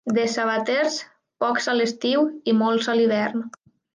De sabaters, pocs a l'estiu i molts a l'hivern.